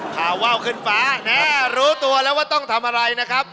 พาว่าวขึ้นฟ้าแน่รู้ตัวแล้วว่าต้องทำอะไรนะครับ